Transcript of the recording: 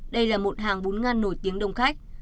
đây là một hàng bún ngan nổi tiếng đông khách